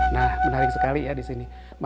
nah menarik sekali ya di sini